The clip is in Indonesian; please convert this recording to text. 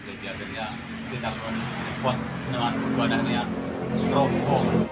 jadi akhirnya tidak boleh dipot dengan badannya robo